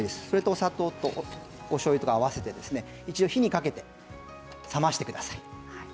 お砂糖やおしょうゆと合わせて火にかけて冷ましてください。